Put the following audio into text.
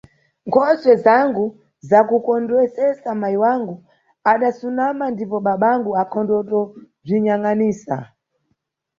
Nkhosuwe zangu zakukondwesesa, mayi wangu adasunama ndipo babangu akhatondokubziyangʼanisa.